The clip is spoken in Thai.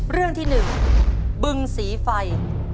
เรื่องที่๑บึงสีไฟ